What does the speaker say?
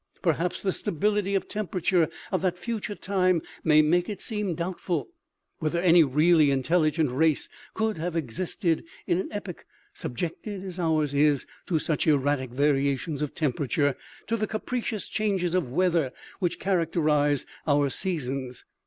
Perhaps the stability of temperature of that future time may make it seem doubtful whether any really intelligent race could have existed in an epoch sub jected, as ours is, to such erratic variations of temperature, to the capricious changes of weather which characterize our seasons.